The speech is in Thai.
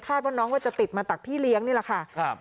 ว่าน้องว่าจะติดมาจากพี่เลี้ยงนี่แหละค่ะ